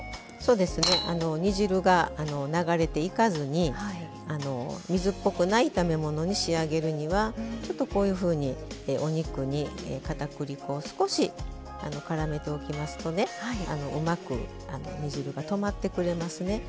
煮汁が流れていかずに水っぽくない炒め物に仕上げるにはちょっとこういうふうにお肉にかたくり粉を少しからめておきますとねうまく煮汁がとまってくれますね。